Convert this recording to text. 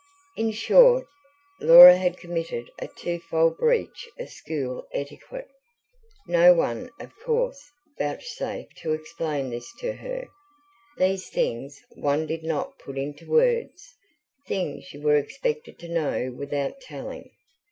In short, Laura had committed a twofold breach of school etiquette. No one of course vouchsafed to explain this to her; these things one did not put into words, things you were expected to know without telling.